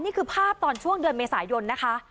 นี่คือภาพตอนช่วงเดือนเมษายนนะคะ